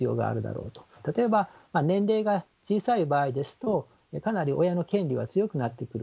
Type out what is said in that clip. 例えば年齢が小さい場合ですとかなり親の権利は強くなってくる。